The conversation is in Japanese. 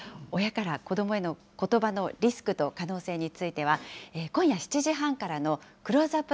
親から子どもへのことばのリスクと可能性については、今夜７時半からのクローズアップ